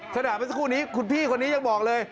ขณะเมื่อสักครู่นี้คุณพี่คนนี้ยังบอกเลย